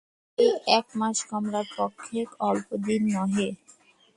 এই এক মাস কমলার পক্ষে অল্পদিন নহে।